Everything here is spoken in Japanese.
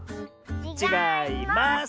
ちがいます！